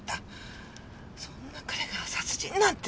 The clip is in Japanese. そんな彼が殺人なんて！